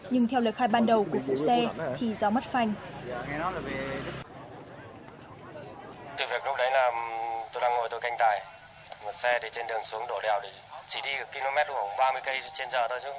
nhưng theo lời khai ban đầu của phụ xe thì do mất phanh